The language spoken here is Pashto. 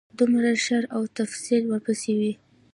دومره شرح او تفصیل ورپسې وي.